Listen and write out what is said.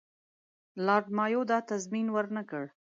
لارډ مایو دا تضمین ورنه کړ.